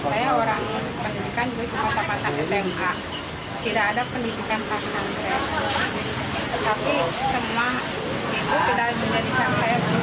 di sini bilang orang tidak waras orang gila cakrimah